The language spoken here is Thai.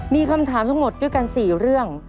มีคำถามทั้งหมดด้วยกัน๔เรื่อง